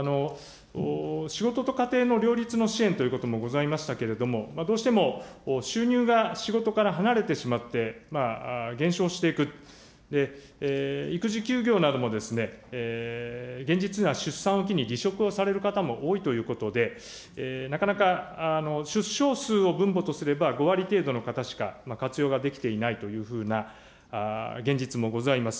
仕事と家庭の両立の支援ということもございましたけれども、どうしても収入が仕事から離れてしまって、減少していく、育児休業なども、現実には出産を機に離職をされる方も多いということで、なかなか出生数を分母とすれば、５割程度の方しか活用ができていないというふうな現実もございます。